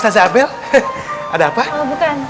ustadz musa'i mulla dan santun